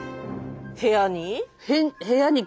部屋に？